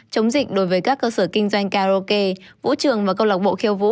chống dịch đối với các cơ sở kinh doanh karaoke vũ trường và cầu lọc bộ khiêu vũ